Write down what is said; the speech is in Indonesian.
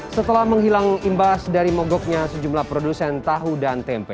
setelah menghilang imbas dari mogoknya sejumlah produsen tahu dan tempe